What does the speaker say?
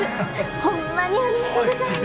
ホンマにありがとうございます！